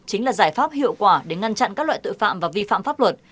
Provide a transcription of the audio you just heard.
chính là giải pháp hiệu quả để ngăn chặn các loại tội phạm và vi phạm pháp luật